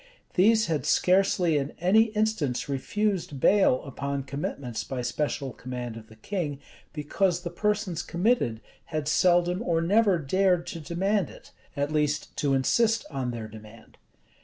These had scarcely in any instance refused bail upon commitments by special command of the king, because the persons committed had seldom or never dared to demand it, at least to insist on their demand.